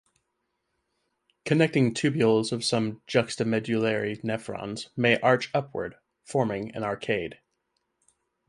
Connecting tubules of some juxtamedullary nephrons may arch upward, forming an arcade.